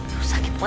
aduh sakit banget